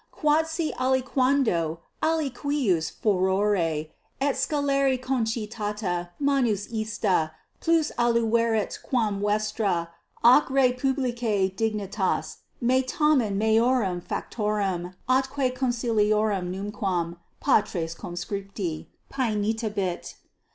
Quodsi aliquando alicuius furore et scelere concitata manus ista plus valuerit quam vestra ac rei publicae dignitas, me tamen meorum factorum atque consiliorum numquam, patres conscripti, paenitebit.